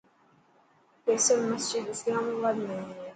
فيصل مسجد اسلام آباد ۾ هي.